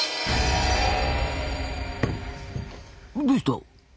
どうした？